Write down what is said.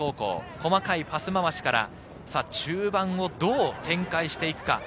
細かいパス回しから中盤をどう展開していくか。